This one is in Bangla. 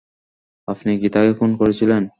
আপনি কি তাকে খুন করেছিলেন?